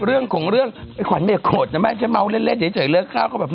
เรื่องของเรื่องไอ้ขวัญไม่โกรธนะไม่ใช่เมาส์เล่นเดี๋ยวเจออีกเรื่องข้าว